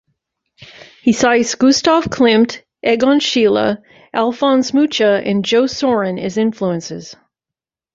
He cites Gustav Klimt, Egon Schiele, Alfons Mucha, and Joe Sorren as influences.